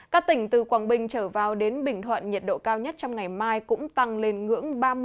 các tỉnh từ quảng bình trở vào đến bình thuận nhiệt độ cao nhất trong ngày mai cũng tăng lên ngưỡng ba mươi ba ba mươi năm độ